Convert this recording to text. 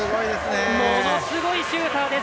ものすごいシューターです。